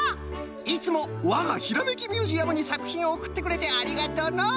いつもわがひらめきミュージアムにさくひんをおくってくれてありがとの！